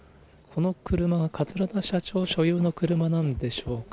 この車は桂田社長所有の車なのでしょうか。